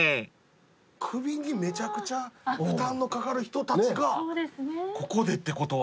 首にめちゃくちゃ負担のかかる人たちがここでってことは。